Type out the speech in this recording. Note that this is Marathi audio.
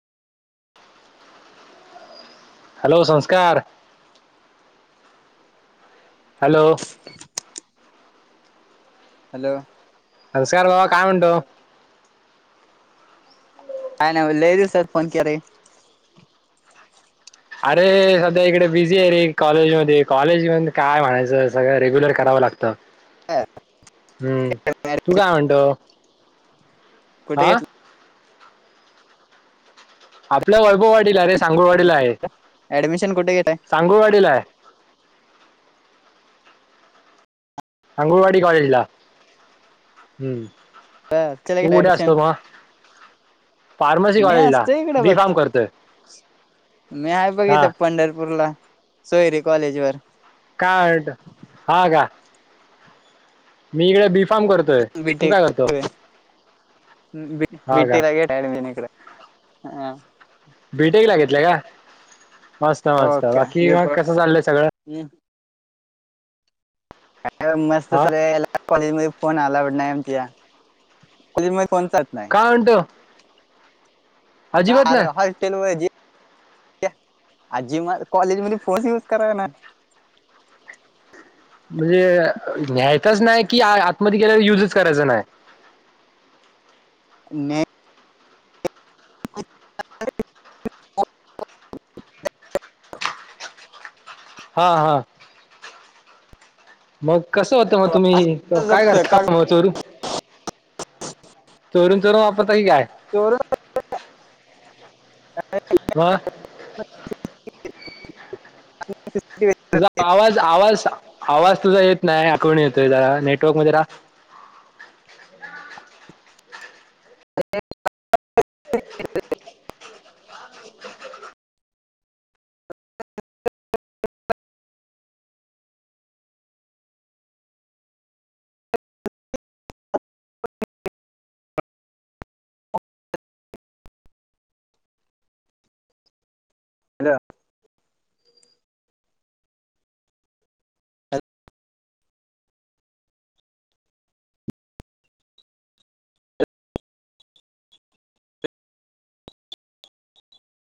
Hello Sanskar. Hello hello Sanskar बाबा काय म्हणतो काय ना लय देऊ स फोन क र अरे सध्या इकडे बिझी आहे. रे कॉलेज मध्ये कॉलेज म काय म्हणायचं सगळं रेग्युलर करा लागत. ह. हम्म तू काय म्हणतो. कुठे हा घेतलं. आपलं वैभववा अरे सांगोवाडीला आहे ऍडमिशन कुठे घेतलाय सांगोवाडीला आहे. अंगुळवाडी कॉलेजला हम्म. ह चला केट तू कुठे अडशन असतो मग फार्मसी मी कॉलेजला असतो इकडं बी बघ. फार्म करतोय मी आहे बघ हा इथ पंढरपूरला सोयरी कॉलेज वर कारड हागा. मी इकडे बी फार्म करतोय तू भीटी काय करतो भी हा का भीटी लागे टान इकडे हा. बीटेक ला घितलंय का मस्त मस्त बाकी ओके मग कसं चाललंय सगळं. मस्त हा चालला कॉलेज म फोन आलाट नाही आमच्या कॉलेज म काय म्हणतो. अजिबात कारे नाही हॉटेल ज आजी म कॉलेज मध्ये फोन युज करा ना म्हणजे न्यायताच नाही. कि आतमध्ये केल्यावर युजच करायचा नाही. नाही. हा हा मग. कसं होतं मग तुम्ही काय करता जपत मग चोरू चोरण चोरून वापरताय काय. वा हो. तुझा आवाज आवाज आवाज तुझा येत नाही. कोण येतोय जरा नेटवर्क मध्येरा ते हल